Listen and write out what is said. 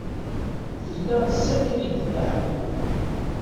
Tella tessakay-d Dda Ḥemmu.